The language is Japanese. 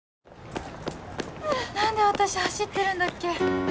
何で私走ってるんだっけ